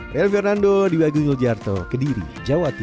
real fernando di bagung lujarto kediri jawa timur